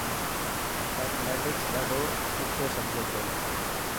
ميٿميٽڪس ڌاڏو ڏخيو سبجيڪٽ هي.